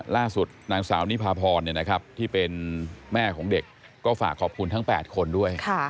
ล่าสุดนางสาวนิพาพรที่เป็นแม่ของเด็กก็ฝากขอบคุณทั้ง๘คนด้วย